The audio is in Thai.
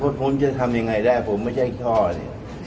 พี่ผมจะทำยังไงได้ผมไม่ช่อยช่อง